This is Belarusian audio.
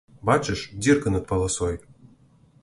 Бачыш, дзірка над паласой?